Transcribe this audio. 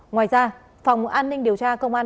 ngoài ra phòng an ninh điều tra công an